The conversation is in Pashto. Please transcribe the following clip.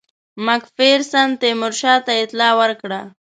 مک فیرسن تیمورشاه ته اطلاع ورکړه.